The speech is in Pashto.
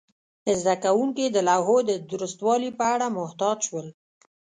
زده کوونکي د لوحو د درستوالي په اړه محتاط شول.